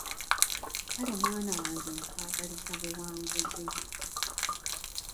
Kale mwana wange nkwagaliza buwanguzi!